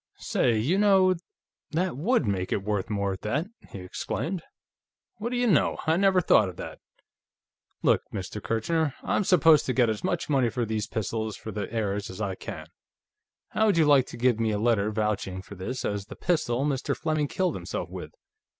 "Say, you know, that would make it worth more, at that!" he exclaimed. "What do you know! I never thought of that.... Look, Mr. Kirchner; I'm supposed to get as much money for these pistols, for the heirs, as I can. How would you like to give me a letter, vouching for this as the pistol Mr. Fleming killed himself with?